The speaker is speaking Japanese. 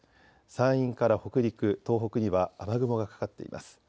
山陰から北陸、東北には雨雲がかかっています。